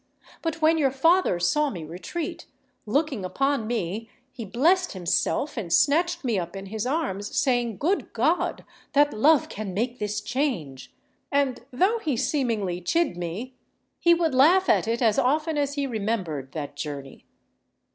But when your father saw me retreat, looking upon me, he blessed himself and snatched me up in his arms, saying, 'Good God! that love can make this change!' and though he seemingly chid me, he would laugh at it as often as he remembered that journey."